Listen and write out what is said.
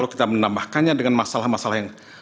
kita menambahkannya dengan masalah masalah yang